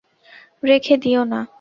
রেখে দিও না।